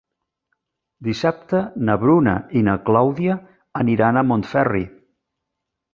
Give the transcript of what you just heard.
Dissabte na Bruna i na Clàudia aniran a Montferri.